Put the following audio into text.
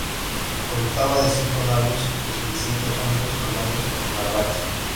Constaba de cinco navíos y seiscientos hombres comandados por Narváez.